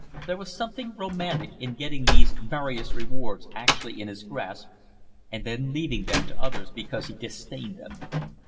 There was something romantic in getting these various rewards actually in his grasp, and then leaving them to others because he disdained them.